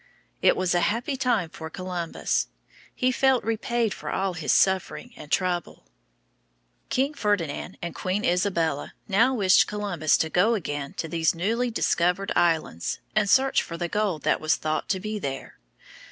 It was a happy time for Columbus. He felt repaid for all his suffering and trouble. [Illustration: The Return of Columbus.] King Ferdinand and Queen Isabella now wished Columbus to go again to these newly discovered islands and search for the gold that was thought to be there.